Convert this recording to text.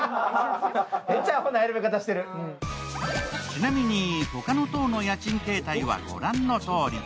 ちなみに、他の棟の家賃形態は御覧の通り。